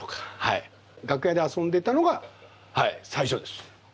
楽屋で遊んでたのが最初です。